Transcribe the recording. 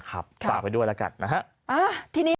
ฝากไปด้วยแล้วกันนะฮะ